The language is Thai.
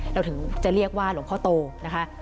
เราถึงจะเรียกว่าหลวงพ่อโตนะคะ